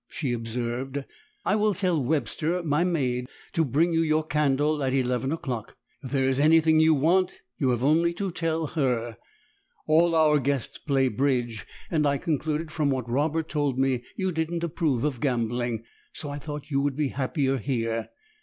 she observed, "I will tell Webster, my maid, to bring you your candle at eleven o'clock. If there is anything you want, you have only to tell HER. All our guests play bridge, and I concluded from what Robert told me you didn't approve of gambling, so I thought you would be happier here.